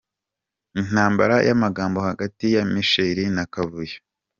Intambara y’amagambo hagati ya misheri na kavuyo